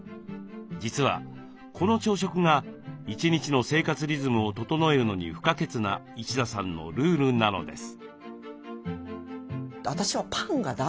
実はこの朝食が一日の生活リズムを整えるのに不可欠な一田さんのルールなのです。